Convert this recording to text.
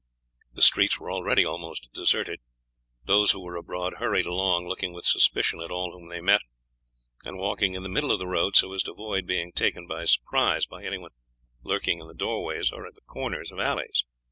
The streets were already almost deserted; those who were abroad hurried along looking with suspicion at all whom they met, and walking in the middle of the road so as to avoid being taken by surprise by anyone lurking in the doorways or at the corners of alleys.